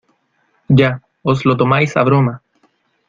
Ya, os lo tomáis a broma.